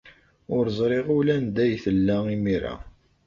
Ur ẓriɣ ula anda ay tella imir-a.